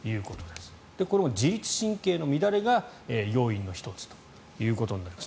これは自律神経の乱れが要因の１つということになります。